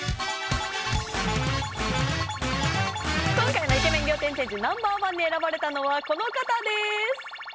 今回のイケメン仰天チェンジＮｏ．１に選ばれたのはこの方です！